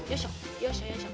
よいしょよいしょ！